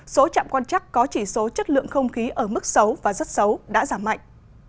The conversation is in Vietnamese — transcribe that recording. số chạm quan chắc có chỉ số chất lượng không khí ở mức xấu và rất xấu đã giảm mạnh